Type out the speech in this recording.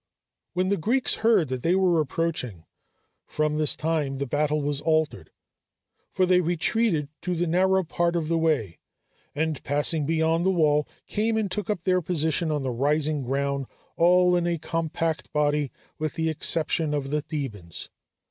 When the Greeks heard that they were approaching, from this time the battle was altered; for they retreated to the narrow part of the way, and passing beyond the wall came and took up their position on the rising ground all in a compact body with the exception of the Thebans.